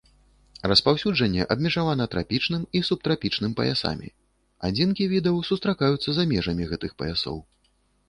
Распаўсюджанне абмежавана трапічным і субтрапічным паясамі, адзінкі відаў сустракаюцца за межамі гэтых паясоў.